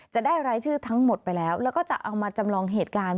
จะได้รายชื่อทั้งหมดไปแล้วแล้วก็จะเอามาจำลองเหตุการณ์